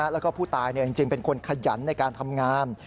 แล้วก็ผู้ตายจริงเป็นคนขยันในการทำงาน